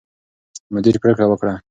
مدیر پرېکړه وکړه.